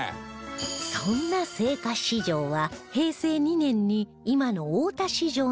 そんな青果市場は平成２年に今の大田市場に移転